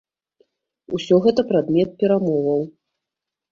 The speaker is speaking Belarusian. Усё гэта прадмет перамоваў.